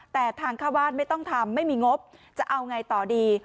แต่ทางเข้าบ้านไม่ต้องทำไม่มีงบจะเอาไงต่อดี